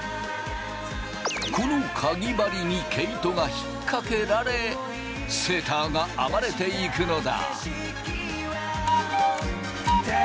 このかぎ針に毛糸が引っ掛けられセーターが編まれていくのだ。